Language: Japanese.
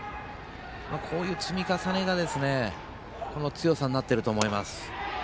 こういう積み重ねがこの強さになっていると思います。